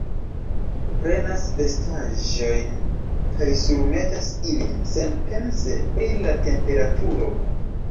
Prenas vestaĵojn kaj surmetas ilin senpense pri la temperaturo